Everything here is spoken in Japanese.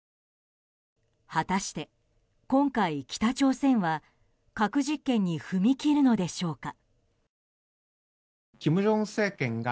果たして、今回北朝鮮は核実験に踏み切るのでしょうか。